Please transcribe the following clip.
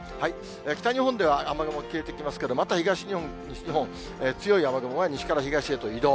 北日本では雨雲消えてきますけど、また東日本、西日本、強い雨雲が西から東へと移動。